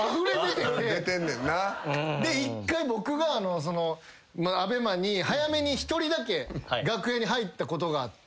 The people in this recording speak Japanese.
一回僕がＡＢＥＭＡに早めに１人だけ楽屋に入ったことがあって。